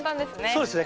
そうですね。